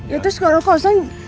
ya terus kalau kosong